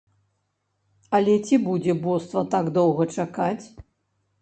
Але ці будзе боства так доўга чакаць?